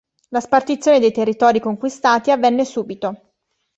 La spartizione dei territori conquistati avvenne subito.